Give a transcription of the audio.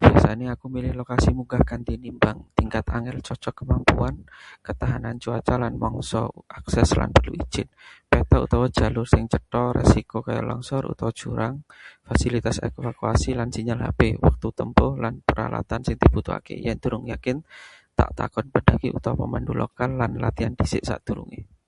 Biasane aku milih lokasi munggah kanthi nimbang: tingkat angel cocok kemampuan, ketahanan cuaca lan mangsa, akses lan perlu ijin, peta utawa jalur sing cetha, risiko kaya longsor utawa jurang, fasilitas evakuasi lan sinyal HP, wektu tempuh, lan peralatan sing dibutuhake. Yen durung yakin, tak takon pendaki utawa pemandu lokal lan latihan dhisik sadurunge.